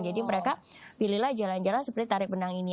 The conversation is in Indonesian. jadi mereka pilihlah jalan jalan seperti tarik benang ini